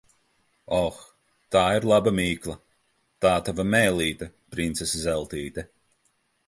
Oh, tā ir laba mīkla! Tā tava mēlīte, princese Zeltīte.